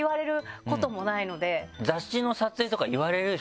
雑誌の撮影とか言われるでしょ？